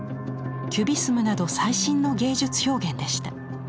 キュビスムなど最新の芸術表現でした。